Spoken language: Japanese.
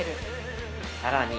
さらに